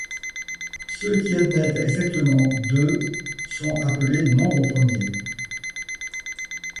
Ceux qui en admettent exactement deux sont appelés nombres premiers.